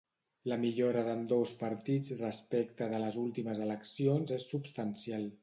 La millora d’ambdós partits respecte de les últimes eleccions és substancial.